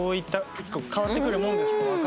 結構変わってくるもんですか？